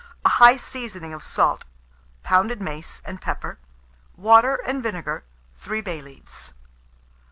a high seasoning of salt, pounded mace, and pepper; water and vinegar, 3 bay leaves.